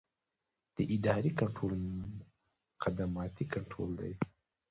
د ادارې کنټرول مقدماتي کنټرول دی.